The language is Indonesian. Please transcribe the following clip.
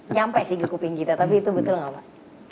nyampe sih kekuping kita tapi itu betul nggak pak